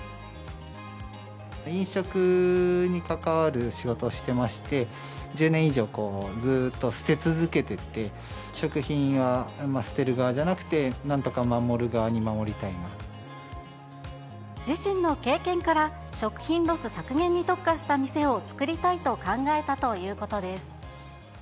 飲食に関わる仕事をしてまして、１０年以上、ずっと捨て続けてて、食品を捨てる側じゃなくて、自身の経験から、食品ロス削減に特化した店を作りたいと考えたということです。